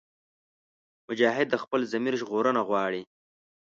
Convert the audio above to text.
مجاهد د خپل ضمیر ژغورنه غواړي.